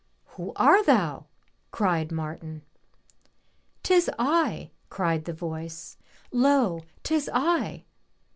'* *'Who are thou?'' cried Martin. " Tis I," cried the voice, " lo, 'tis I